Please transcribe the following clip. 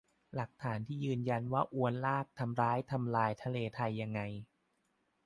หลักฐานที่ยืนยันว่าอวนลากทำร้ายทำลายทะเลไทยยังไง